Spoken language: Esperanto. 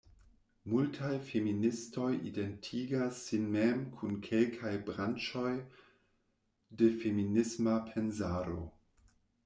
Multaj feministoj identigas sin mem kun kelkaj branĉoj de feminisma pensaro.